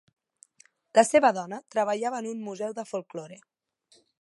La seva dona treballava en un museu de folklore.